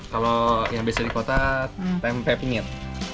kalau yang biasa di kota tempe penyet